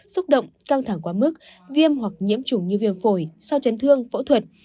xúc động căng thẳng quá mức viêm hoặc nhiễm chủng như viêm phổi sau chấn thương phẫu thuật